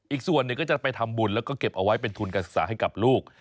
อีกส่วนหนึ่งก็จะไปทำบุญแล้วก็เก็บเอาไว้เป็นทุนการศึกษาให้กับลูก